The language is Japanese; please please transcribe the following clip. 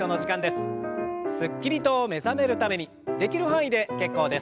すっきりと目覚めるためにできる範囲で結構です。